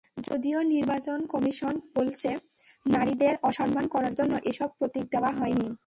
যদিও নির্বাচন কমিশন বলছে, নারীদের অসম্মান করার জন্য এসব প্রতীক দেওয়া হয়নি।